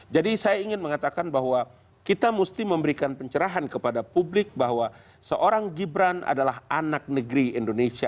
jadi saya ingin mengatakan bahwa kita mesti memberikan pencerahan kepada publik bahwa seorang gibran adalah anak negeri indonesia